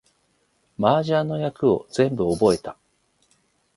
麻雀の役を全部覚えた